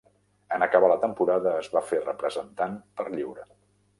En acabar la temporada, es va fer representant per lliure.